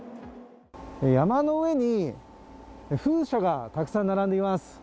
山の上に風車がたくさん並んでいます。